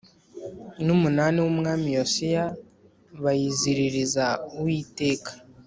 n umunani w Umwami Yosiya bayiziririza Uwiteka